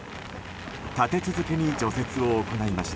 立て続けに除雪を行いました。